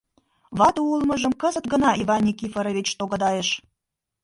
Вате улмыжым кызыт гына Иван Никифорович тогдайыш.